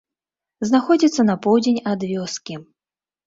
Знаходзіцца на поўдзень ад вёскі.